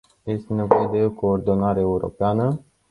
Este nevoie de o coordonare europeană.